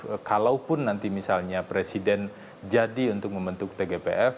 kita tahu bahwa tgpf kalaupun nanti misalnya presiden jadi untuk membentuk tgpf